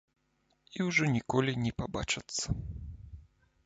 І ўжо ніколі не пабачацца.